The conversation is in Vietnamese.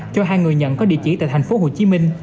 cho hai người nhận có địa chỉ tại tp hcm